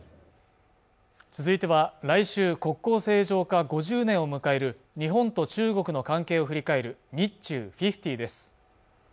続いては来週国交正常化５０年を迎える日本と中国の関係を振り返る「日中５０」です